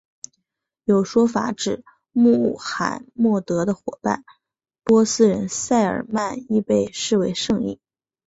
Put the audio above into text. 有说法指穆罕默德的伙伴波斯人塞尔曼亦被视为圣裔。